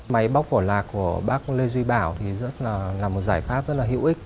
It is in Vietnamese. máy bóc lạc của bác lê duy bảo là một giải pháp rất là hữu ích